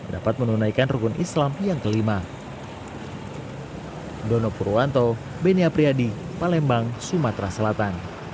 dapat menunaikan rukun islam yang kelima